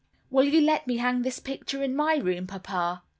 "Will you let me hang this picture in my room, papa?"